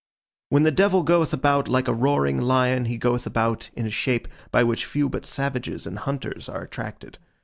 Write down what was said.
When the Devil goeth about like a roaring lion, he goeth about in a shape by which few but savages and hunters are attracted.